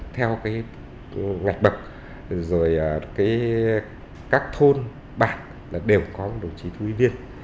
theo cái ngạch bậc rồi các thôn bạc là đều có một đồng chí thú y viên